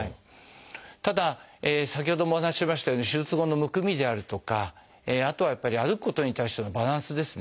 ただ先ほどもお話ししましたように手術後のむくみであるとかあとはやっぱり歩くことに対してのバランスですね。